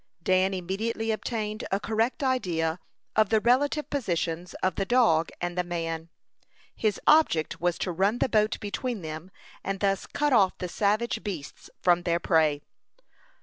Dan immediately obtained a correct idea of the relative positions of the dog and the man. His object was to run the boat between them, and thus cut off the savage beasts from their prey.